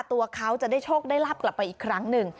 ตัวเขาจะได้โชคได้ลาบกลับไปอีกครั้งหนึ่ง